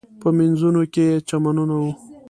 په مینځونو کې یې چمنونه و.